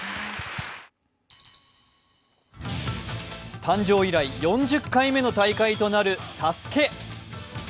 誕生以来、４０回目の大会となる「ＳＡＳＵＫＥ」。